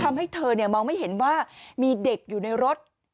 ทำให้เธอมองไม่เห็นว่ามีเด็กอยู่ในรถ